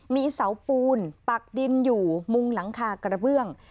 มีเสาปูนปักดินอยู่มุงหลังคากระเบื้อง